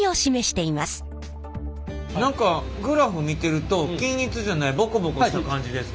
何かグラフ見てると均一じゃないボコボコした感じですけど。